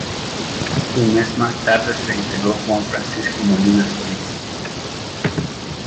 Un mes más tarde se integró Juan Francisco Molina Solís.